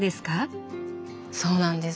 そうなんです。